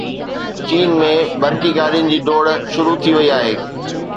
چين ۾ برقي گاڏين جي ڊوڙ شروع ٿي وئي آهي